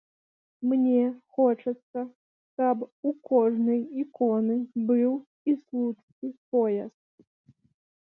Мне хочацца, каб у кожнай іконы быў і слуцкі пояс.